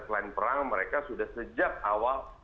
selain perang mereka sudah sejak awal